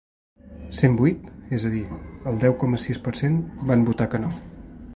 Cent vuit –és a dir, el deu coma sis per cent– van votar que no.